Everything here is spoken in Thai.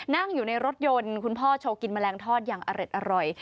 นั่งอยู่ในรถยนต์คุณพ่อโชว์กินแมลงทอดอย่างอร่อย